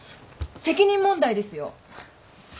責任問題ですよ。